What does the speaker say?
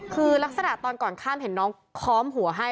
คือลักษณะตอนก่อนข้ามเห็นน้องค้อมหัวให้